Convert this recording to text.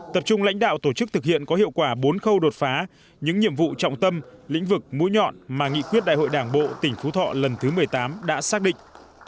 tập trung lãnh đạo tổ chức thực hiện có hiệu quả bốn khâu đột phá những nhiệm vụ trọng tâm lĩnh vực mũi nhọn mà nghị quyết đại hội đảng bộ tỉnh phú thọ lần thứ một mươi tám đã xác định